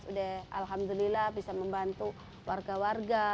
udah alhamdulillah bisa membantu warga warga